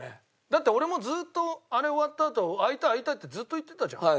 だって俺もずっとあれ終わったあと会いたい会いたいってずっと言ってたじゃん。